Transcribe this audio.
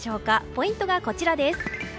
ポイントがこちらです。